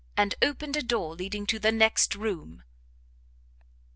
and opened a door leading to the next room!